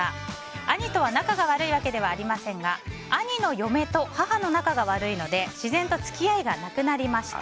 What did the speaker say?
兄とは仲が悪いわけではありませんが兄の嫁と母の仲が悪いので自然と付き合いがなくなりました。